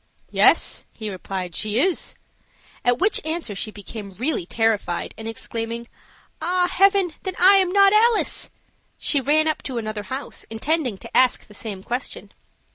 "Yes," he replied, "she is." At which answer she became really terrified, and exclaiming, "Ah, heaven, then I am not Alice!" she ran up to another house, intending to ask the same question.